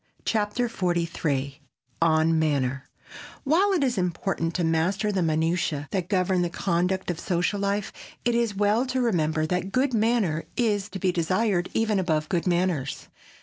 CHAPTER XLIII ON MANNER WHILE it is important to master the minutiæ that govern the conduct of social life, it is well to remember that a good manner is to be desired even above good manners.